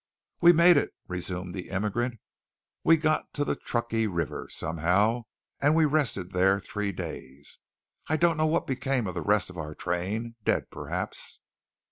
"We made it," resumed the immigrant. "We got to the Truckee River somehow, and we rested there three days. I don't know what became of the rest of our train; dead perhaps."